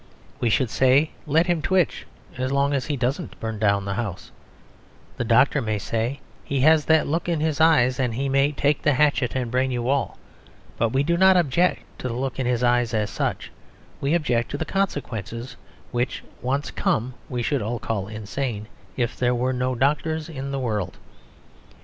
We should say, "Let him twitch, as long as he doesn't burn down the house." The doctor may say, "He has that look in the eyes, and he may take the hatchet and brain you all." But we do not object to the look in the eyes as such; we object to consequences which, once come, we should all call insane if there were no doctors in the world.